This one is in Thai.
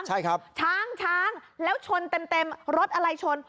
ช้างช้างแล้วชนเต็มรถอะไรชน